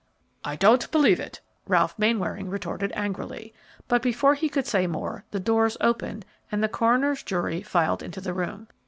"I don't believe it," Ralph Mainwaring retorted, angrily; but before he could say more, the doors opened and the coroner's jury filed into the room.